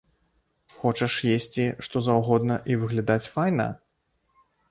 Хочаш есці, што заўгодна і выглядаць файна?